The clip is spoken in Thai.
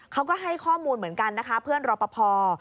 เขาก็ให้ข้อมูลเหมือนกันนะคะเพื่อนรอปภ